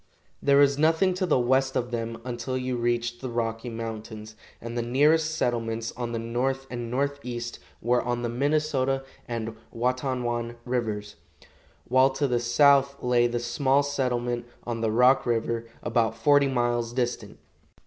There was nothing to the west of them until you reached the Rocky Mountains, and the nearest settlements on the north and northeast were on the Minnesota and Watonwan rivers, while to the south lay the small settlement on the Rock river, about forty miles distant.